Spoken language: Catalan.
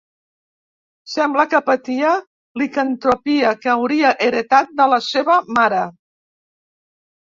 Sembla que patia de licantropia, que hauria heretat de la seva mare.